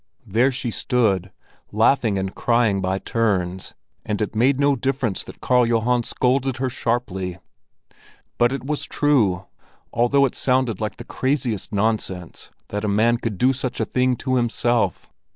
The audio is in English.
There she stood laughing and crying by turns; and it made no difference that Karl Johan scolded her sharply. But it was true, although it sounded like the craziest nonsense that a man could do such a thing to himself.